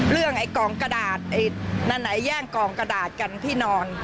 เรื่องไอ้กล่องกระดาษไอ้นั่นไอ้แย่งกล่องกระดาษกันที่นอน